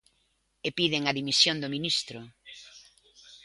E piden a dimisión do ministro.